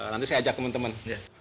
nanti saya ajak teman teman